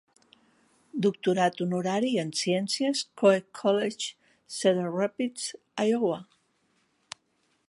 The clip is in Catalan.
Doctorat honorari en Ciències, Coe College, Cedar Rapids, Iowa.